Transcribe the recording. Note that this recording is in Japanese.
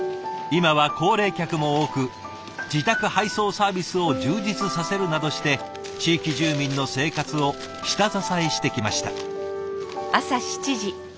今は高齢客も多く自宅配送サービスを充実させるなどして地域住民の生活を下支えしてきました。